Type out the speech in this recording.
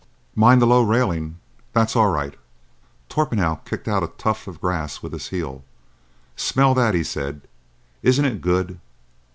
"Mind the low railing. That's all right!" Torpenhow kicked out a tuft of grass with his heel. "Smell that," he said. "Isn't it good?"